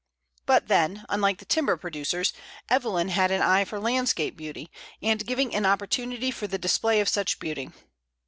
But, then, unlike the timber producers, Evelyn had an eye for landscape beauty, and giving an opportunity for the display of such beauty.